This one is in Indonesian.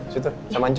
situ sama anjus